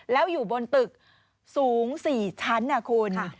แล้วอยู่บนตึกสูง๔ชั้นนะคุณ